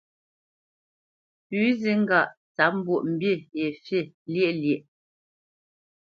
Pʉ̌ zi ŋgâʼ tsǎp mbwoʼmbî ye fî lyéʼ lyéʼ.